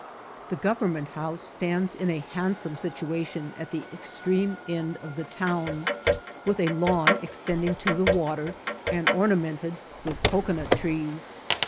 The Government House stands in a handsome situ* ation at the extreme end of the town, with a lawn ex« tending to the water, and ornamented with cocoanut trees.